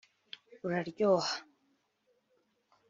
uraryoha